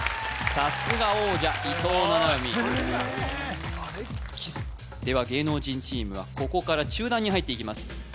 さすが王者伊藤七海では芸能人チームはここから中段に入っていきます